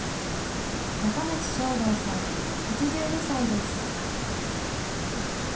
中町昭道さん８２歳です。